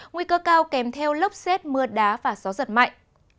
nguy cơ cao kèm theo lốc xét mưa đá và gió giật mạnh